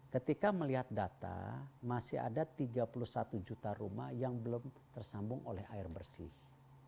ketika melihat data masih ada tiga puluh satu juta rumah yang belum tersambung oleh air bersih